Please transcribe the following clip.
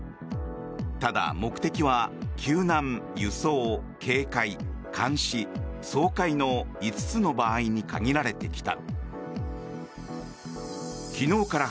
ただ、目的は救難、輸送、警戒、監視、掃海の５つの場合に限られてきた。